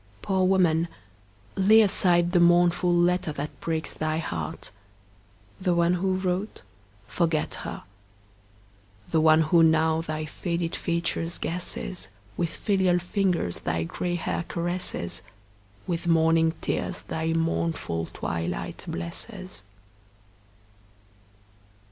Poor woman, lay aside the mournful letter That breaks thy heart; the one who wrote, forget her: The one who now thy faded features guesses, With filial fingers thy gray hair caresses, With morning tears thy mournful twilight blesses.